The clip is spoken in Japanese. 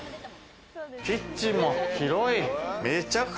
キッチンも広い。